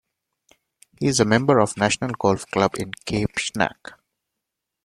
He is a member of the National Golf Club in Cape Schanck.